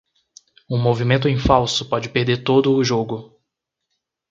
Um movimento em falso pode perder todo o jogo.